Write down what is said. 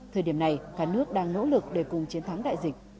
thời điểm này cả nước đang nỗ lực để cùng chiến thắng đại dịch